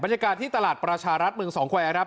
ที่ตลาดประชารัฐเมืองสองแควร์ครับ